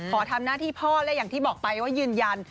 ขอทำหน้าที่พ่อและอย่างที่บอกไปว่ายืนยัน